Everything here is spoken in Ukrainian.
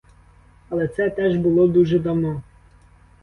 Але це теж було дуже давно.